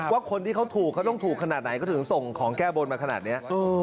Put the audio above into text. ว่าคนที่เขาถูกเขาต้องถูกขนาดไหนเขาถึงส่งของแก้บนมาขนาดนี้